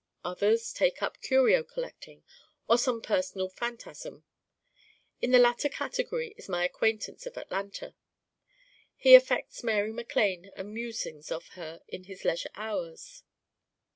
Others take up curio collecting or some personal phantasm. In the latter category is my acquaintance of Atlanta. He affects Mary MacLane and musings of her in his leisure hours.